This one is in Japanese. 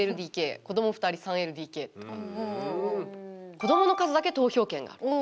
「子どもの数だけ投票権がある」。